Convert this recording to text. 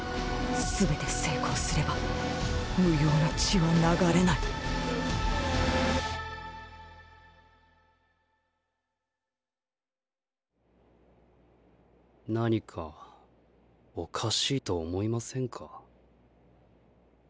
すべて成功すれば無用な血は流れない何かおかしいと思いませんか？